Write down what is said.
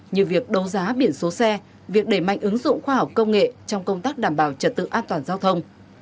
như việc đấu giá biển số xe việc đẩy mạnh ứng dụng khoa học công nghệ trong công tác đảm bảo trật tự an toàn giao thông